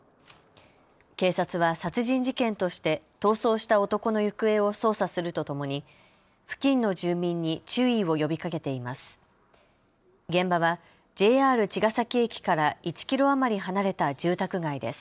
警察は殺人事件として逃走した男の行方を捜査するとともに付近の住民に注意を呼びかけています。